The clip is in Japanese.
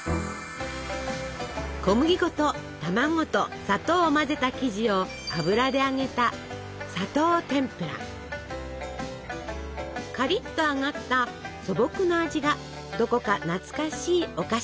小麦粉と卵と砂糖を混ぜた生地を油で揚げたカリッと揚がった素朴な味がどこか懐かしいお菓子です。